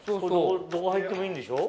どこ入ってもいいんでしょ？